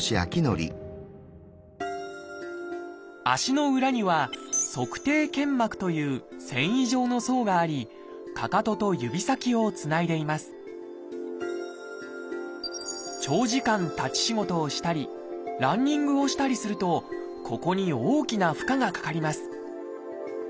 足の裏には「足底腱膜」という繊維状の層がありかかとと指先をつないでいます長時間立ち仕事をしたりランニングをしたりするとここに大きな負荷がかかります。